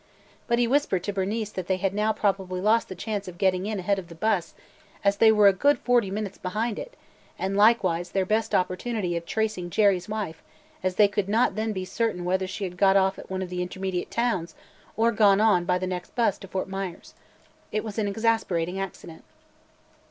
But he whispered to Bernice that they had now probably lost the chance of getting in ahead of the bus (as they were a good forty minutes behind it) and likewise their best opportunity of tracing Jerry's wife, as they could not then be certain whether she had got off at one of the intermediate towns or gone on by the next bus to Fort Myers. It was an exasperating accident.